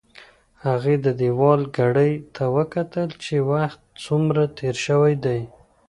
هغې د دېوال ګړۍ ته وکتل چې وخت څومره تېر شوی دی.